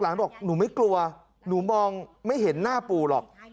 บอกหนูไม่กลัวหนูมองไม่เห็นหน้าปู่หรอก